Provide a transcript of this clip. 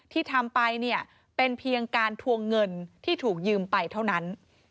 ที่ทำไปเนี่ยเป็นเพียงการทวงเงินที่ถูกยืมไปเท่านั้น